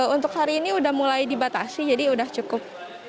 untuk hari ini udah mulai dibatasi jadi sudah cukup